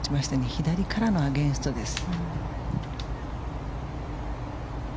左からのアゲンストです。